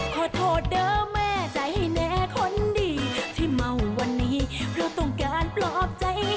ขอโทษเด้อแม่ใจแน่คนดีที่เมาวันนี้เพราะต้องการปลอบใจ